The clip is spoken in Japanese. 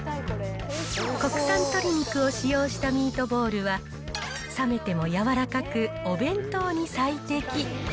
国産鶏肉を使用したミートボールは、冷めても柔らかく、お弁当に最適。